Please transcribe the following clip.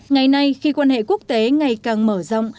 ngày nay khi quan hệ quốc tế ngày càng mở rộng